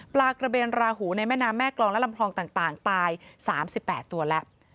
ปลากระเบนราหูในแม่น้ำแม่กรองและลำคลองต่างตาย๓๘ตัวแล้ว